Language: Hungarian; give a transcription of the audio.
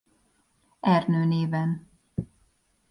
Ernő néven.